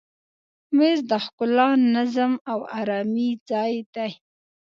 مېز د ښکلا، نظم او آرامي ځای دی.